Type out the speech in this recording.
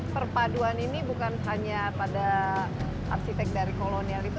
perpaduan ini bukan hanya pada arsitek dari kolonial itu